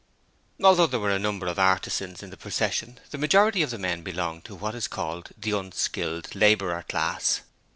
Although there were a number of artisans in the procession, the majority of the men belonged to what is called the unskilled labourer class.